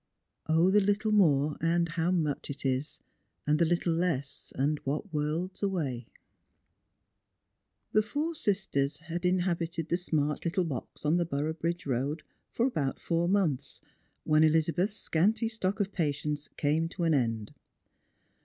0, the 'ittle more, and how much it is, And rhe little less, and what worlds away 1 " The four sisters had inhabited the smart little box on the Boroughbridge road about four months, when Elizabeth's scanty stock of patience came to an end.